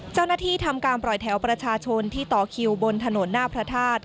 ทำการปล่อยแถวประชาชนที่ต่อคิวบนถนนหน้าพระธาตุ